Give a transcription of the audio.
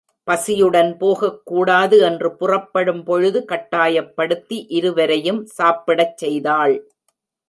பசியுடன் போகக்கூடாது என்று புறப்படும்பொழுது கட்டாயப்படுத்தி இருவரையும் சாப்பிடச் செய்தாள்.